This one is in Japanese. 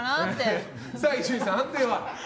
伊集院さん、判定は？